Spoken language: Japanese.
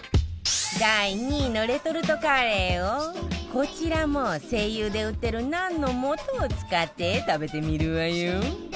第２位のレトルトカレーをこちらも ＳＥＩＹＵ で売ってるナンの素を使って食べてみるわよ